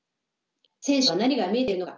選手は何が見えているのか？